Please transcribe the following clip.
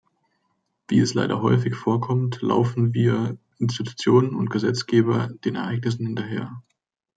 Wie es leider häufig vorkommt, laufen wir Institutionen und Gesetzgeber den Ereignissen hinterher.